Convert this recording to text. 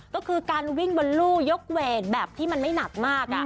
ก็คือการวิ่งบนลู่ยกเวทแบบที่มันไม่หนักมาก